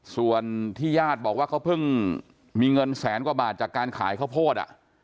ส่วนที่ญาติบอกว่าเขาเพิ่งมีเงินแสนกว่าบาทจากการขายข้าวโพด